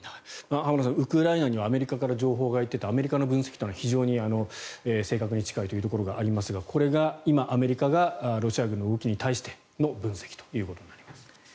浜田さん、ウクライナにはアメリカから情報が行っていてアメリカの分析というのは非常に正確に近いというところがありますがこれが今、アメリカのロシア軍の動きに対しての分析となります。